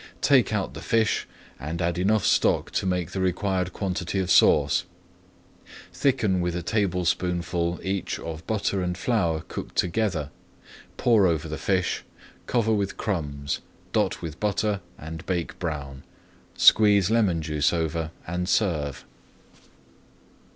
Take out the fish and add enough stock to make the required quantity of sauce. Thicken with a tablespoonful each of butter and flour cooked together, pour over the fish, cover with crumbs, [Page 227] dot with butter, and bake brown. Squeeze lemon juice over and serve.